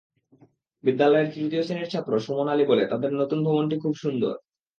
বিদ্যালয়ের তৃতীয় শ্রেণির ছাত্র সুমন আলী বলে, তাদের নতুন ভবনটি খুব সুন্দর।